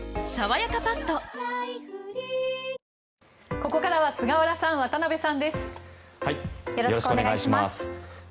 ここからは菅原さん、渡辺さんです。